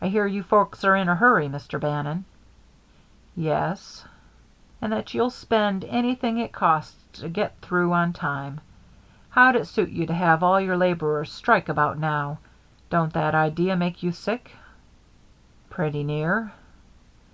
"I hear you folks are in a hurry, Mr. Bannon?" "Yes." "And that you'll spend anything it costs to get through on time. How'd it suit you to have all your laborers strike about now? Don't that idea make you sick?" "Pretty near."